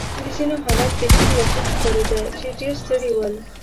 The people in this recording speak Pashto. د ځینو حالت بېخي وخیم ښکارېده چې ډېر ستړي ول.